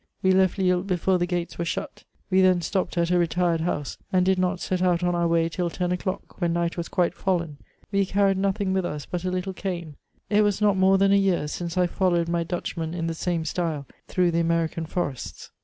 We left Lille. before the gates were shut : we then stopped at a retired house, and did not set out on our way till 10 o'clock, when night was quite fallen; we carried nothing with us but a little cane ; it was not more than a year since I followed my Dutchman in the same style through the American forests.